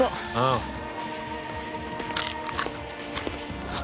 ああ。